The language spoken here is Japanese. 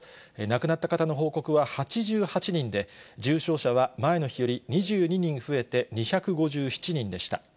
亡くなった方の報告は８８人で、重症者は前の日より２２人増えて２５７人でした。